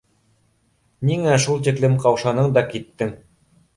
— Ниңә шул тиклем ҡаушаның да киттең?